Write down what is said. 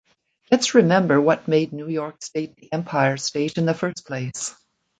Let’s remember what made New York State the Empire State in the first place.